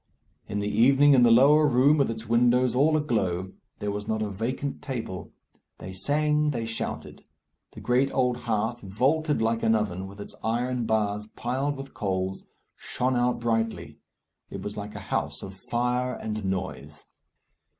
In the evening in the lower room, with its windows all aglow, there was not a vacant table. They sang, they shouted; the great old hearth, vaulted like an oven, with its iron bars piled with coals, shone out brightly. It was like a house of fire and noise.